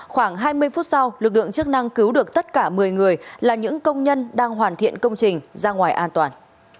khoảng hai mươi phút sau lực lượng chức năng cứu được tất cả một mươi người là những công nhân đang hoàn thiện công trình ra ngoài an toàn